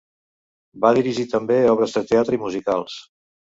Va dirigir també obres de teatre i musicals.